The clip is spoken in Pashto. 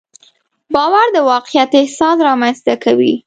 باور د واقعیت احساس رامنځته کوي.